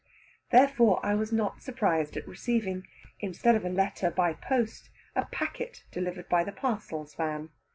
Therefore I was not surprised at receiving, instead of a letter by post, a packet delivered by the parcels van.